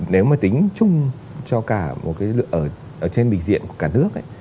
nếu mà tính chung cho cả một cái lượng ở trên bình diện của cả nước